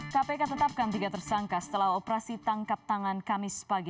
kpk tetapkan tiga tersangka setelah operasi tangkap tangan kamis pagi